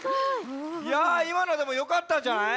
いやいまのでもよかったんじゃない？